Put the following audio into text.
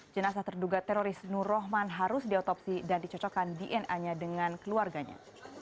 jenazah terduga teroris nur rohman harus diotopsi dan dicocokkan dna nya dengan keluarganya